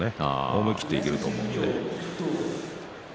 思い切っていけると思うので。